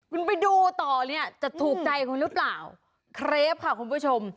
คุณไปดูต่อเนี่ยจะถูกใจคุณหรือเปล่าเครปค่ะคุณผู้ชม